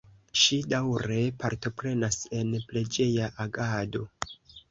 Ŝi daŭre partoprenas en preĝeja agado.